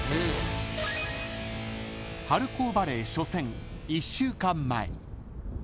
［春高バレー初戦１週間前］